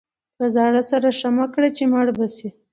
د زاړه سره ښه مه کړه چې مړ به شي.